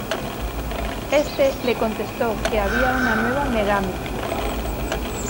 Este le contestó que había una nueva Megami.